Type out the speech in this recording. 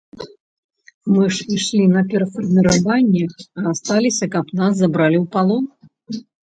Мы ж ішлі на перафарміраванне, а асталіся, каб нас забралі ў палон?